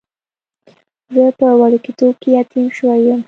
زه په وړکتوب کې یتیم شوی وم.